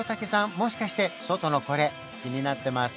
もしかして外のこれ気になってます？